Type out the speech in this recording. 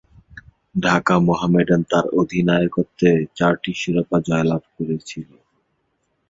ঢাকা মোহামেডান তার অধিনায়কত্বে চারটি শিরোপা জয়লাভ করেছিল।